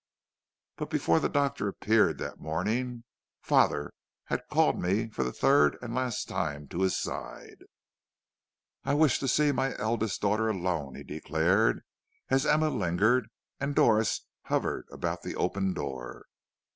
"But before the doctor appeared that morning father had called me for the third and last time to his side. "'I wish to see my eldest daughter alone,' he declared, as Emma lingered and Doris hovered about the open door.